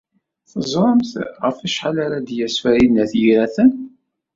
Teẓramt ɣef wacḥal ara d-yas Farid n At Yiraten?